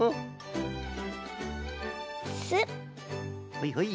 ほいほい。